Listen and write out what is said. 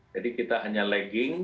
jadi kita hanya lagging